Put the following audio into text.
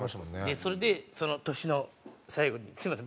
それでその年の最後にすみません。